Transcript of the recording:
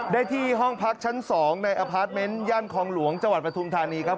ได้ที่ห้องพักชั้น๒ในอพาร์ทเมนต์ย่านคลองหลวงจังหวัดปฐุมธานีครับ